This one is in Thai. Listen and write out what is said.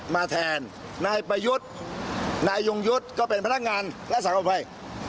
มาแทนนายประยุทธ์นายยงยุทธ์ก็เป็นพนักงานและสังกภัย